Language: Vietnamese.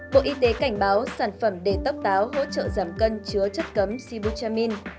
bộ y tế cảnh báo sản phẩm đề tóc táo hỗ trợ giảm cân chứa chất cấm sibutramine